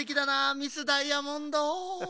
ミス・ダイヤモンド。